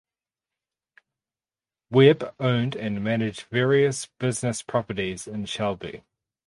Webb owned and managed various business properties in Shelby.